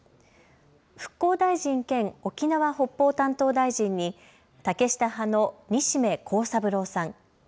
復興大臣兼沖縄・北方担当大臣に竹下派の西銘恒三郎さん。